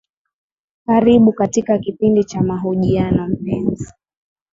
karibu katika kipindi cha mahojiano mpenzi